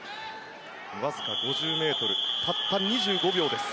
わずか５０ｍたった２５秒です。